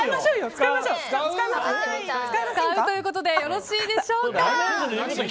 使うということでよろしいでしょうか。